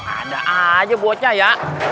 ada aja buatnya ya